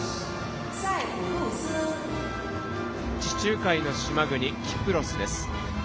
地中海の島国キプロスです。